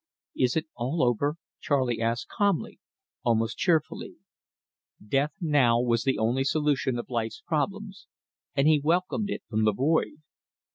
"Is it all over?" Charley asked calmly, almost cheerfully. Death now was the only solution of life's problems, and he welcomed it from the void.